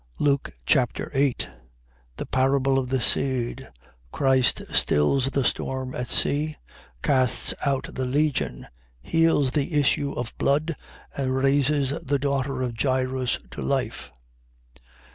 Luke Chapter 8 The parable of the seed. Christ stills the storm at sea, casts out the legion, heals the issue of blood and raises the daughter of Jairus to life.